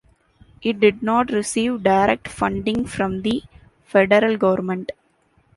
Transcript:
It did not receive direct funding from the federal government.